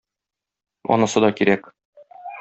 Анысы да кирәк.